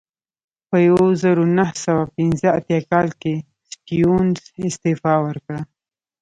په یوه زرو نهه سوه پنځه اتیا کال کې سټیونز استعفا ورکړه.